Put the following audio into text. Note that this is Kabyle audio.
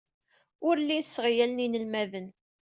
Ur llin sseɣyalen inelmaden.